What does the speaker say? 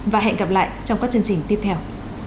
và hẹn gặp lại trong các chương trình tiếp theo